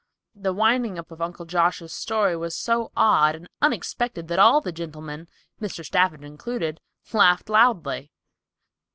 The winding up of Uncle Joshua's story was so odd and unexpected that all the gentlemen, Mr. Stafford included, laughed loudly.